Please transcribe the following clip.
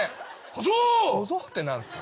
「小僧」って何ですか？